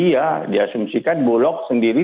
karena tadi ya diasumsikan bulog sendiri